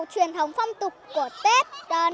truyền thống phong tục của tết